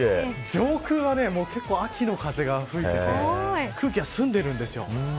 上空は結構、秋の風が吹いてて空気が澄んでるんですよ。